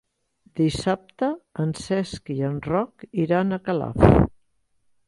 Dissabte en Cesc i en Roc iran a Calaf.